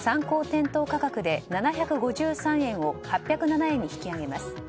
店頭価格で７５３円を８０７円に引き上げます。